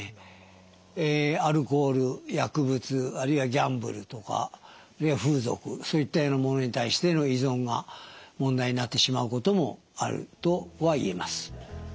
アルコール薬物あるいはギャンブルとかあるいは風俗そういったようなものに対しての依存が問題になってしまうこともあるとは言えます。